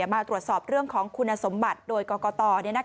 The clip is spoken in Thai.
มาตรวจสอบเรื่องของคุณสมบัติโดยกรกต